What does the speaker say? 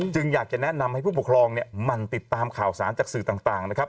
อยากจะแนะนำให้ผู้ปกครองมันติดตามข่าวสารจากสื่อต่างนะครับ